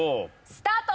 スタート！